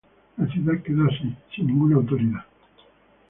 La ciudad quedó así sin ninguna autoridad.